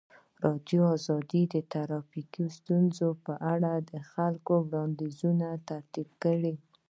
ازادي راډیو د ټرافیکي ستونزې په اړه د خلکو وړاندیزونه ترتیب کړي.